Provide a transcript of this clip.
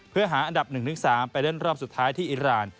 เพื่อหาอันดับ๑๓ไปเล่นรอบสุดท้ายที่อิราณ